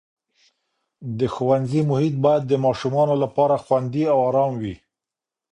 د ښوونځي محیط باید د ماشومانو لپاره خوندي او ارام وي.